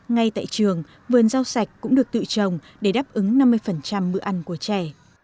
ngay tại trường vườn rau sạch cũng được tự trồng để đáp ứng năm mươi bữa ăn của trẻ